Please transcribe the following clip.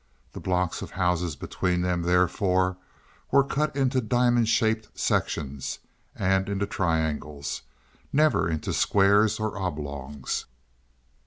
The blocks of houses between them, therefore, were cut into diamond shaped sections and into triangles, never into squares or oblongs.